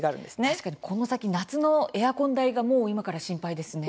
確かにこの先夏のエアコン代がもう今から心配ですね。